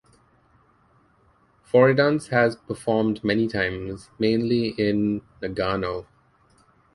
Foridance has performed many times, mainly in Nagano.